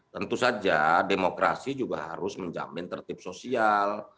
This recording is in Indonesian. tentu saja demokrasi juga harus menjamin tertib sosial